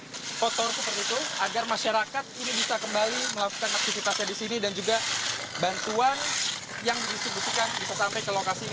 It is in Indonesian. kita kotor seperti itu agar masyarakat ini bisa kembali melakukan aktivitasnya di sini dan juga bantuan yang didistribusikan bisa sampai ke lokasi ini